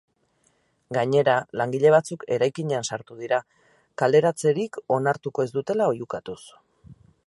Gainera, langile batzuk eraikinean sartu dira, kaleratzerik onartuko ez dutela oihukatuz.